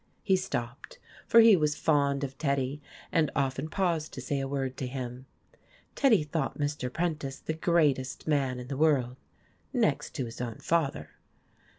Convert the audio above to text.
He stopped, for he was fond of Teddy and often paused to say a word to him. Teddy thought Mr. Prentice the greatest man in the world next to his own father.